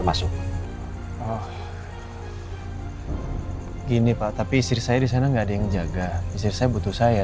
masuk gini pak tapi istri saya di sana nggak ada yang jaga istri saya butuh saya